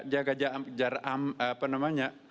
jaga jarak apa namanya